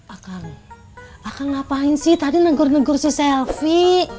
akang akang ngapain sih tadi negur negur si selvi